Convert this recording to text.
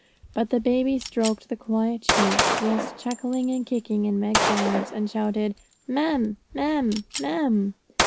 But the baby stroked the quiet cheeks, whilst chuckling and kicking in Meg's arms, and shouted, 'Mam! mam! mam!'